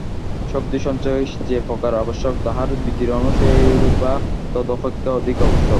শক্তিসঞ্চয় যে প্রকার আবশ্যক, তাহার বিকিরণও সেইরূপ বা তদপেক্ষা অধিক আবশ্যক।